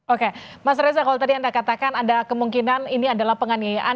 oke mas reza kalau tadi anda katakan ada kemungkinan ini adalah penganiayaan